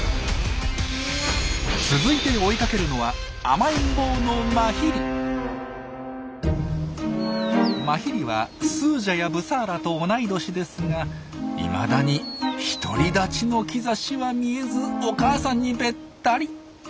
続いて追いかけるのはマヒリはスージャやブサーラと同い年ですがいまだに独り立ちの兆しは見えずお母さんにべったり。